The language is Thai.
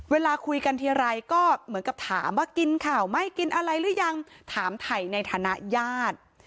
เวลาคุยกันทีไรก็เหมือนกับถามว่ากินข่าวไม่กินอะไรหรือยังถามไถ่ในฐานะญาติ